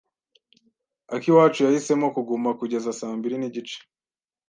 Akiwacu yahisemo kuguma kugeza saa mbiri n'igice.